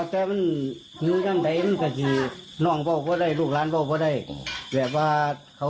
เห็นใจคุณพ่อนะคะ